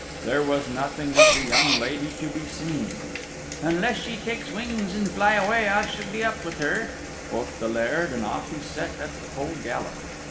There was nothing of the young lady to be seen. "Unless she take wings and fly away, I shall be up with her," quoth the Laird, and off he set at the full gallop.